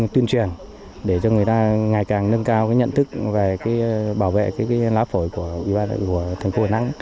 tuyên truyền để cho người ta ngày càng nâng cao nhận thức và bảo vệ lá phổi của thành phố hà năng